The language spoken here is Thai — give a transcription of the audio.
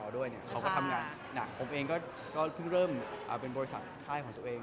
เราเพิ่งเริ่มเป็นบริษัทใต้ของตัวเอง